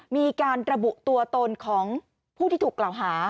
มีการระบุตัวตนของผู้ที่ถูกกล่าวหา